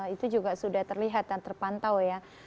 itu juga sudah terlihat dan terpantau ya